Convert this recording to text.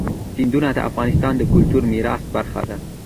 سیندونه د افغانستان د کلتوري میراث برخه ده.